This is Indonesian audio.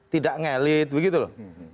tidak ngelit begitu loh